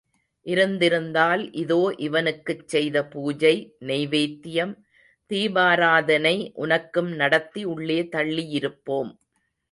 இருந்திருந்தால் இதோ இவனுக்குச்செய்த பூஜை, நெய்வேதியம், தீபாராதனை உனக்கும் நடத்தி உள்ளே தள்ளியிருப்போம்.